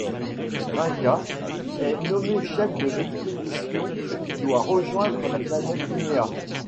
Vynka est nommé chef de l'expédition qui doit rejoindre la planète Vinéa.